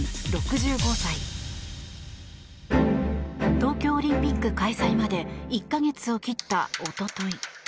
東京オリンピック開催まで１か月を切ったおととい